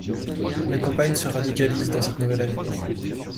La campagne se radicalise dans cette nouvelle année.